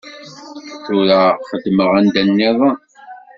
Tura xeddmeɣ anda nniḍen.